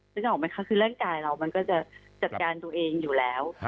นึกออกไหมคะคือร่างกายเรามันก็จะจัดการตัวเองอยู่แล้ว